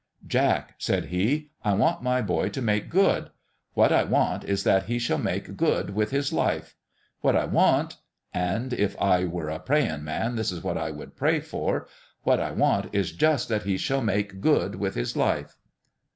" Jack," said he, " I want my boy to make good. What I want is that he shall make good with his life. What I want and if I were a praying man it is what I should pray for what I want is just that he shall make good with his life."